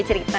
nama itu apa